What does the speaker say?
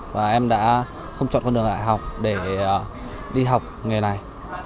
và em đã không chọn con đường đại học để đi học nghề này